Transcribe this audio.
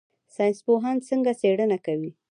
ساینس پوهان څنګه څیړنه کوي؟